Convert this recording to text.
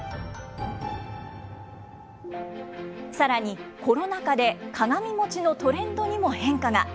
さらにコロナ禍で鏡餅のトレンドにも変化が。